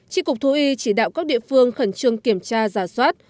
tri cục thú y chỉ đạo các địa phương khẩn trương kiểm tra giả soát